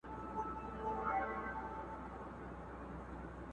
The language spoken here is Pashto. بلال په وینو رنګوي منبر په کاڼو ولي.!